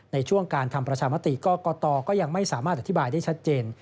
ในช่วงการทำประชามติกรกตก็ยังไม่สามารถอธิบายได้ชัดเจน